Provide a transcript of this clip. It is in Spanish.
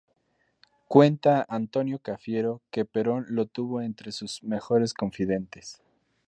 Cuenta Antonio Cafiero que Perón lo tuvo entre sus mejores confidentes.